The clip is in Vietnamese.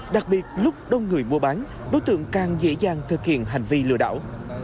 đặc biệt lúc đông người mua bán đối tượng càng dễ dàng thực hiện hành vi lừa đảo